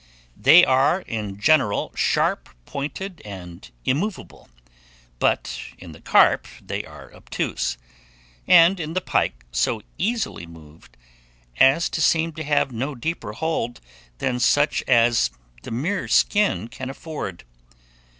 They are in general sharp pointed and immovable; but in the carp they are obtuse, and in the pike so easily moved as to seem to have no deeper hold than such as the mere skin can afford.